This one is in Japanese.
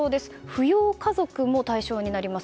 扶養家族も対象になります。